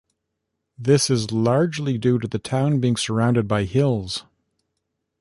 This is largely due to the town being surrounded by hills.